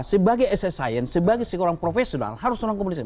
sebagai ssi sebagai seorang profesional harus orang komunikasi